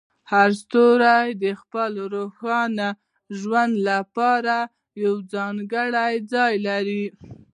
هر ستوری د خپل روښانه ژوند لپاره یو ځانګړی ځای لري.